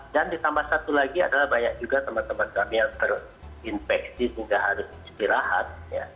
dan ditambah satu lagi adalah banyak juga teman teman kami yang terinfeksi tidak harus istirahat